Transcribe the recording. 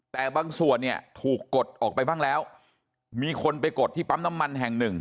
แต่บางส่วนเนี่ยถูกกดออกไปบ้างแล้วมีคนไปกดที่ปั๊มน้ำมันแห่งหนึ่ง